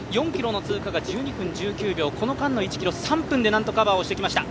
４ｋｍの通過が１２分１９秒この間の１ｋｍ、３分でなんとカバーをしてきました。